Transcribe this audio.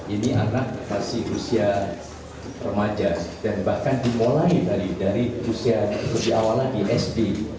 ini anak masih usia remaja dan bahkan dimulai dari usia awal lagi sd